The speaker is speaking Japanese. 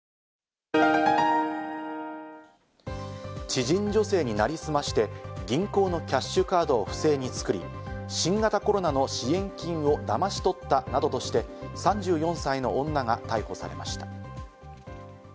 知人女性に成り済まして、銀行のキャッシュカードを不正に作り、新型コロナの支援金をだまし取ったなどとして３４歳の女が逮捕されました。